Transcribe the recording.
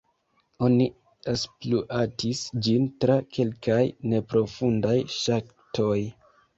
Oni ekspluatis ĝin tra kelkaj neprofundaj ŝaktoj.